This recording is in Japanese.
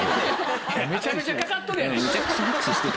めちゃめちゃかかっとるやない。